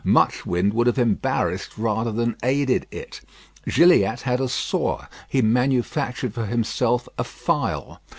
Much wind would have embarrassed rather than aided it. Gilliatt had a saw; he manufactured for himself a file.